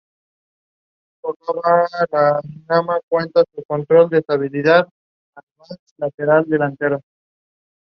Eight of the new cases were in managed isolation facilities.